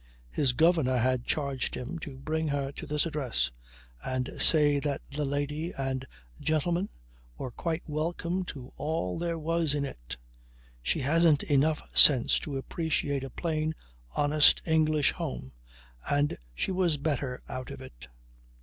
His governor had charged him to bring her to this address and say that the lady and gentleman were quite welcome to all there was in it. She hadn't enough sense to appreciate a plain, honest English home and she was better out of it.